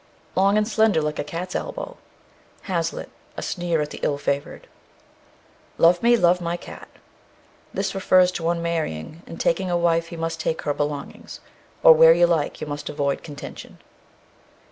Long and slender like a cat's elbow. HAZLITT. A sneer at the ill favoured. Love me, love my cat. This refers to one marrying; in taking a wife he must take her belongings. Or, where you like, you must avoid contention.